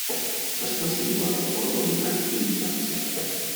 Està situat a la vora del llac Constança.